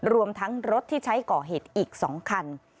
รวมทั้งรถที่ใช้ก่อเหตุอีก๒คัน